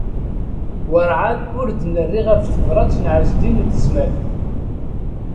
Werɛad ur d-nerri ɣef tebṛat n Ɛezdin n Tezmalt.